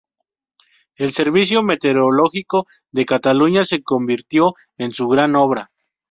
El Servicio Meteorológico de Cataluña se convirtió en su gran obra.